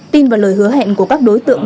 tin và lời hứa hẹn của các đối tượng